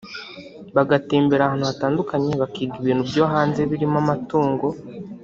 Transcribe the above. bagatembera ahantu hatandukanye bakiga ibintu byo hanze birimo amatungo